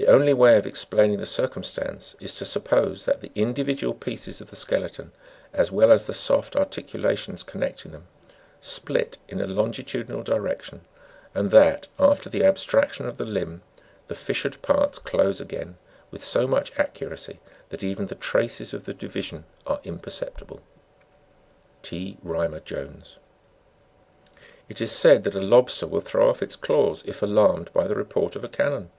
The only way of explaining the circumstance, is to suppose that the individual pieces of the skeleton, as well as the soft articulations connect ing them, split in a longitudinal direction, and that, after the abstraction of the limb, the fissured parts close again with so much accuracy that even the traces of the division are imperceptible." T. Rymcr Jones. It is said that a lobster will throw off its claws it' alarmed by the report of a cannon.